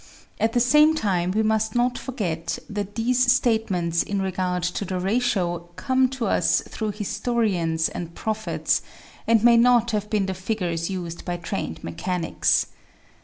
At the same time we must not forget that these statements in regard to the ratio come to us through historians and prophets, and may not have been the figures used by trained mechanics.